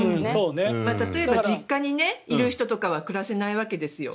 例えば実家にいる人とかは一緒に暮らせないわけですよ。